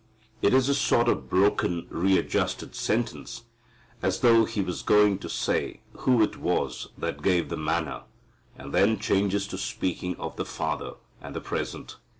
It is a sort of broken, readjusted sentence, as though He was going to say who it was that gave the manna, and then changes to speaking of the Father and the present.